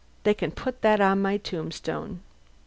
They can put that on my tombstone."